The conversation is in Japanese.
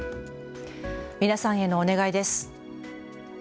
皆さんへのお願いです。